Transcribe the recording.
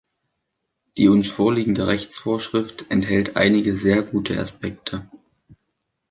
Die uns vorliegende Rechtsvorschrift enthält einige sehr gute Aspekte.